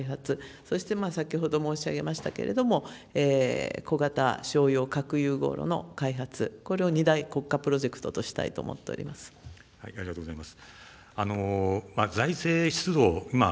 そして先ほど申し上げましたけれども、小型しょうよう核融合炉の開発、これを２大国家プロジェクトとしありがとうございます。